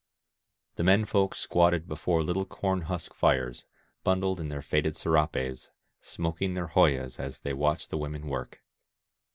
The men folk squatted before little corn husk fires, bundled in their faded serapes, smoking their hojas as they watched the women work.